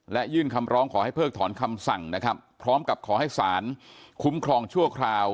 และยื่นคำร้องขอให้เพิกถอนคำสั่งนะครับพร้อมกับขอให้สารคุ้มครองชั่วคราว